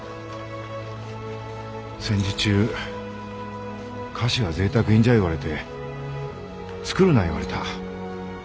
戦時中菓子はぜいたく品じゃ言われて作るな言われた。